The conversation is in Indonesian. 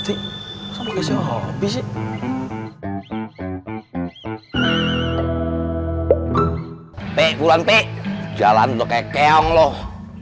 tapi bulan p jalan lo kekeong loh